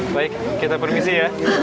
baik kita permisi ya